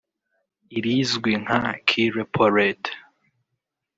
irizwi nka‘Key Repo Rate’